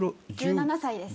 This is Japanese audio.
１７歳です。